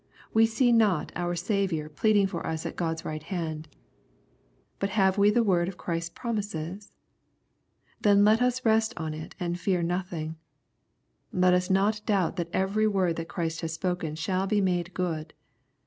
We see not our Saviour pleading for us at God's right hand« But have we the word of Christ's promises ? Then let us rest on it and fear nothing. Let us not doubt that every word that Christ has spoken shall be made good.